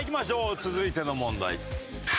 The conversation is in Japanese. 続いての問題。